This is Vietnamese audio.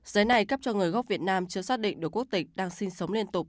giới này cấp cho người gốc việt nam chưa xác định được quốc tịch đang sinh sống liên tục